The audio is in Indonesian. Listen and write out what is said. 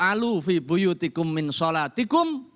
ij'alu fi buyu tikun min sholatikum